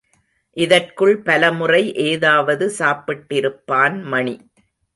இதற்குள் பலமுறை ஏதாவது சாப்பிட்டிருப்பான் மணி.